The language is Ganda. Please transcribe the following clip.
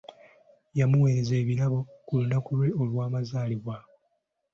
Yamuweereza ebirabo ku lunaku lwe olwamazaalibwa.